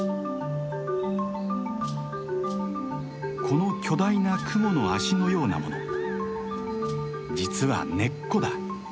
この巨大なクモの脚のようなもの実は根っこだ。